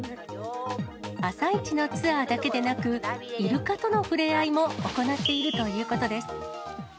朝市のツアーだけでなく、イルカとのふれあいも行っているということです。